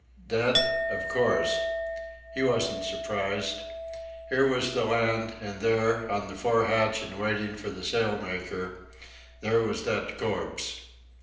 Dead of course. He wasn't surprised. Here was the land, and there, on the fore hatch and waiting for the sailmaker there was that corpse.